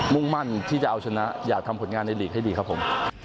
มุ่งมั่นที่จะเอาชนะอยากทำผลงานในหลีกให้ดีครับผม